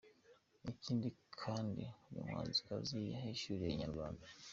Ikindi kandi uyu muhanzikazi yahishuriye Inyarwanda.